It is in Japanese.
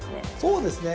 そうですね。